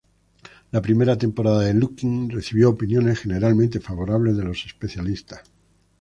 La primera temporada de "Looking" recibió opiniones generalmente favorables de los especialistas.